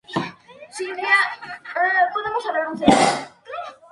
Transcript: Sea o no una sátira, verdaderamente es un cuento lamentable.